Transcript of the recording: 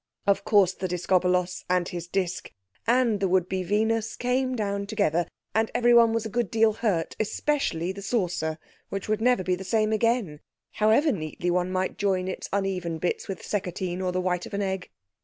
Of course the Discobolos and his disc and the would be Venus came down together, and everyone was a good deal hurt, especially the saucer, which would never be the same again, however neatly one might join its uneven bits with Seccotine or the white of an egg.